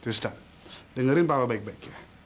ustadz dengerin papa baik baik ya